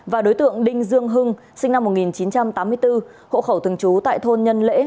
và đối tượng đinh dương hưng sinh năm một nghìn chín trăm tám mươi bốn hộ khẩu thường trú tại thôn nhân lễ